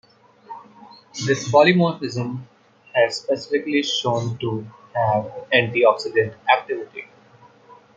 This polymorphism has specifically been shown to have antioxidant activity.